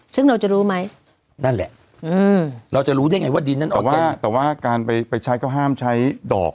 ซึ่งเราจะรู้ไหมว่าเราจะรู้แน่ไงว่าผ้าแต่ว่าการไปไปใช้ก็ห้ามใช้ดอก